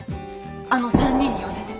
あの３人に寄せて。